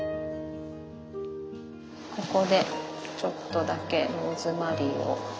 ここでちょっとだけローズマリーを。